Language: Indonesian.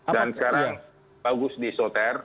dan sekarang bagus disoter